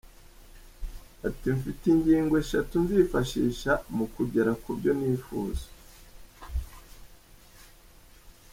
Ati “Mfite ingigo eshatu nzifashisha mu kugera ku byo nifuza.